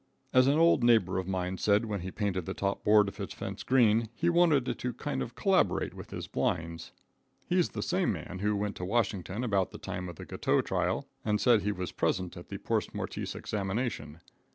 As an old neighbor of mine said when he painted the top board of his fence green, he wanted it "to kind of corroborate with his blinds." He's the same man who went to Washington about the time of the Guiteau trial, and said he was present at the "post mortise" examination.